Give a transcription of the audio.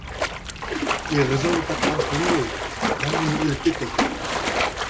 ئېغىزىڭغا پاتقان پۇلنى ئېيت، مەن بۇنى ئېلىپ كېتەي.